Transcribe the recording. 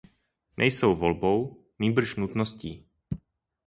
Nejsou volbou, nýbrž nutností.